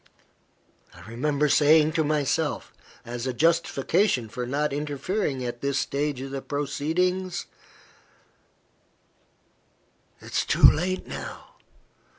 I remember saying to myself, as a justification for not interfering at this stage of the proceedings "It is too late now.